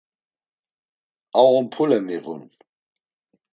Ar ompule miğun.